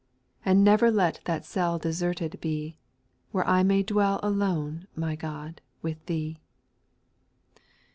And never let that cell deserted be, Where I may dwell alone, my God, with Thee.